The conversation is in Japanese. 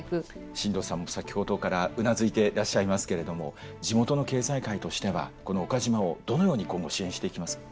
進藤さんも先ほどからうなずいてらっしゃいますけれども地元の経済界としてはこの岡島をどのように今後支援していきますか？